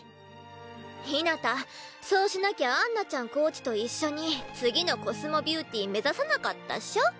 ひなたそうしなきゃアンナちゃんコーチと一緒に次のコスモビューティー目指さなかったっしょ？